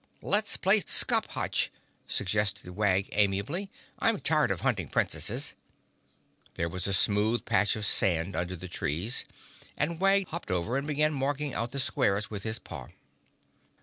"Let's play scop hotch," suggested Wag amiably. "I'm tired of hunting Princesses." There was a smooth patch of sand under the trees and Wag hopped over and began marking out the squares with his paw.